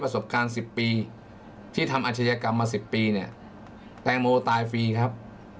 สบการณ์๑๐ปีที่ทำอาชญากรรมมา๑๐ปีเนี่ยแตงโมตายฟรีครับ